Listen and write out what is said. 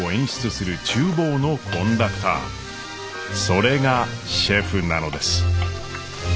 それがシェフなのです。